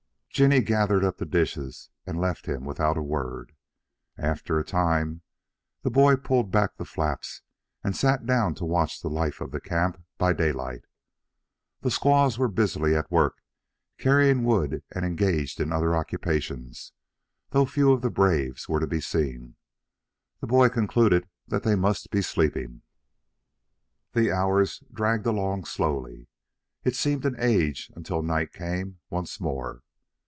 Jinny gathered up the dishes and left him without a word. After a time the boy pulled back the flaps and sat down to watch the life of the camp by daylight. The squaws were busily at work, carrying wood and engaged in other occupations, though few of the braves were to be seen. The boy concluded that they must be sleeping. The hours dragged along slowly. It seemed an age until night came once more.